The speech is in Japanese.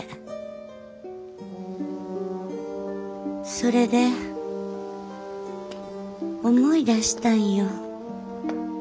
それで思い出したんよ。